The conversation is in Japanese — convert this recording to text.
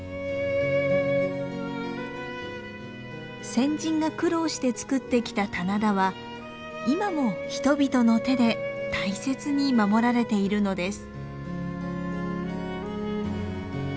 先人が苦労してつくってきた棚田は今も人々の手で大切に守られているのです。